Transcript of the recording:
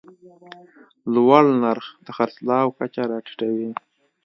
لوړ نرخ د خرڅلاو کچه راټیټوي.